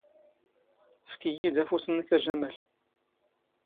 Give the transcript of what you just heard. ⴼⴽ ⵉⵢⵉ ⴷ ⴰⴼⵓⵙ ⵏⵏⴽ ⴰ ⵊⴰⵎⴰⵍ.